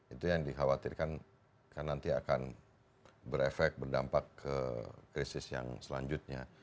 itu yang dikhawatirkan kan nanti akan berefek berdampak ke krisis yang selanjutnya